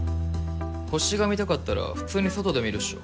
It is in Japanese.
星が見たかったら普通に外で見るっしょ。